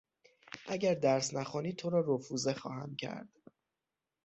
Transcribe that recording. اگر درس نخوانی تو را رفوزه خواهم کرد!